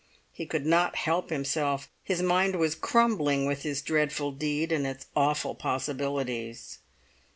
He could not help himself; his mind was crumbling with his dreadful deed and its awful possibilities.